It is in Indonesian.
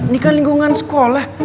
ini kan lingkungan sekolah